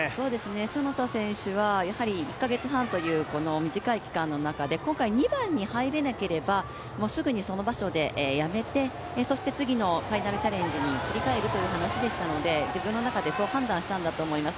其田選手は、１か月半というこの短い期間の中で今回、２番に入らなければすぐにその場所でやめてそして次のファイナルチャレンジに切り替えるという話でしたので、自分の中でそう判断したのだと思います。